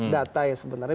data yang sebenarnya